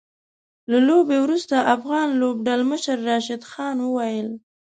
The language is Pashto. له لوبې وروسته افغان لوبډلمشر راشد خان وويل